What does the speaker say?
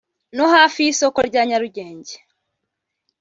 no hafi y’isoko rya Nyarugenge